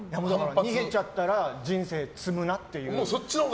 逃げちゃったら人生積むなっていう。